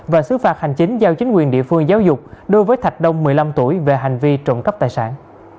và xứ phạt hành chính giao chính quyền địa phương giáo dục đối với thạch đông một mươi năm tuổi về hành vi trộm cắp tài sản